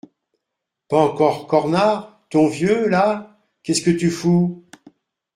Pas encore cornard, ton vieux, là ? Qu’est-ce que tu fous ?